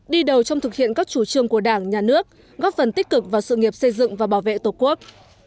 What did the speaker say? đi đầu trong thực hiện các chủ trương của đảng nhà nước góp phần tích cực vào sự nghiệp xây dựng và bảo vệ tổ quốc